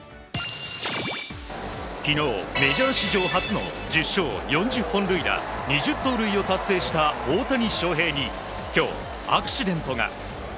昨日、メジャー史上初の１０勝４０本塁打２０盗塁を達成した大谷翔平に今日、アクシデントが。